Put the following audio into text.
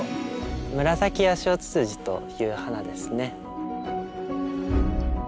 ムラサキヤシオツツジという花ですね。